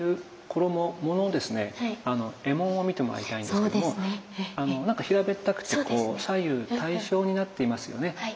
衣紋を見てもらいたいんですけども何か平べったくてこう左右対称になっていますよね。